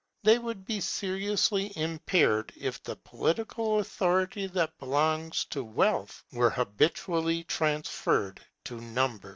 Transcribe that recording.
They would be seriously impaired if the political authority that belongs to wealth were habitually transferred to numbers.